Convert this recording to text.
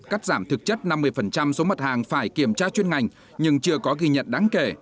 cắt giảm thực chất năm mươi số mật hàng phải kiểm tra chuyên ngành nhưng chưa có ghi nhận đáng kể